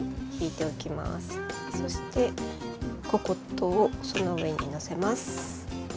そしてココットをその上にのせます。